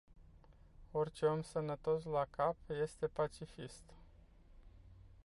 Orice om sănătos la cap este pacifist.